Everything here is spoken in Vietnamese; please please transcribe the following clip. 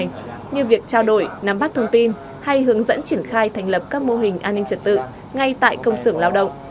như việc trao đổi nắm bắt thông tin hay hướng dẫn triển khai thành lập các mô hình an ninh trật tự ngay tại công sưởng lao động